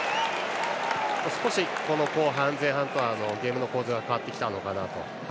少し後半は前半とはゲームの構図が変わってきたのかなと。